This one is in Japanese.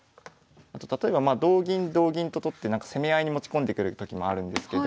あと例えば同銀同銀と取って攻め合いに持ち込んでくるときもあるんですけど。